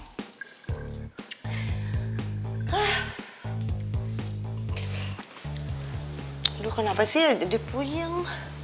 aduh kenapa sih jadi puyeng